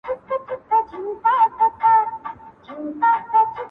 اوس مي د زړه قلم ليكل نه كوي.